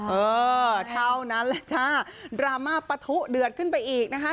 เออเท่านั้นแหละจ้าดราม่าปะทุเดือดขึ้นไปอีกนะคะ